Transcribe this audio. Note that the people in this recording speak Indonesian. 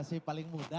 masih paling muhat ya